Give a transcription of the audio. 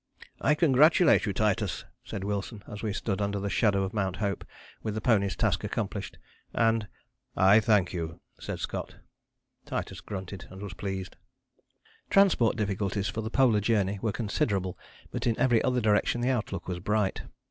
"I congratulate you, Titus," said Wilson, as we stood under the shadow of Mount Hope, with the ponies' task accomplished, and "I thank you," said Scott. Titus grunted and was pleased. Transport difficulties for the Polar Journey were considerable, but in every other direction the outlook was bright.